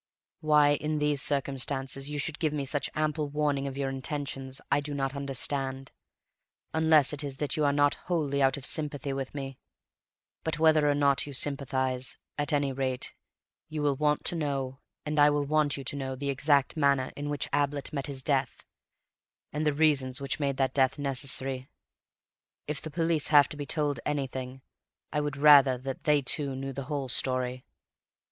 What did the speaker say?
Why, in these circumstances, you should give me such ample warning of your intentions I do not understand, unless it is that you are not wholly out of sympathy with me. But whether or not you sympathize, at any rate you will want to know—and I want you to know—the exact manner in which Ablett met his death and the reasons which made that death necessary. If the police have to be told anything, I would rather that they too knew the whole story.